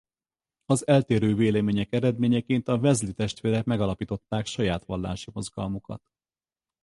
Az eltérő vélemények eredményeként a Wesley testvérek megalapították saját vallási mozgalmukat.